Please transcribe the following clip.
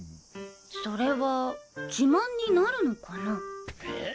それは自慢になるのかな？